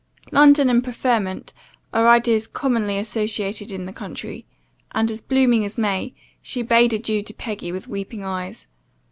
London and preferment, are ideas commonly associated in the country; and, as blooming as May, she bade adieu to Peggy with weeping eyes.